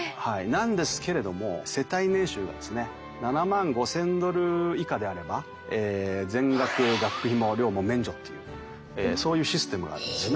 なんですけれども世帯年収がですね７万５，０００ドル以下であれば全額学費も寮も免除っていうそういうシステムがあるんですね。